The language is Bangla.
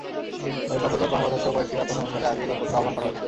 তবে সদর রোড, বাংলাবাজারসহ কয়েকটি রাস্তা সংস্কারে আগেই দরপত্র আহ্বান করা হয়েছে।